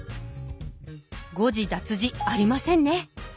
誤字脱字ありませんね。